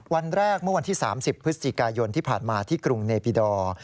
วันแรกเมื่อวันที่๓๐พฤศจิกายนที่ผ่านมาที่กรุงเนปิดอร์